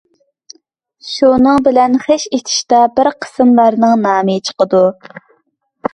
شۇنىڭ بىلەن خىش ئېتىشتا بىر قىسىملارنىڭ نامى چىقىدۇ.